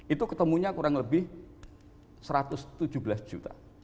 itu ketemunya kurang lebih satu ratus tujuh belas juta